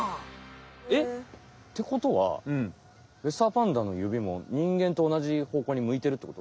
えっ！ってことはレッサーパンダのゆびも人間とおなじほうこうにむいてるってこと？